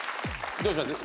どうします？